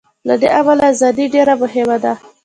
له دې امله ازادي ډېره مهمه ده.